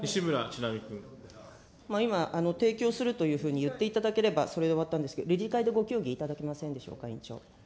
今、提供するというふうに言っていただければ、それで終わったんですけど、理事会でご協議いただけませんでしょうか、委員長。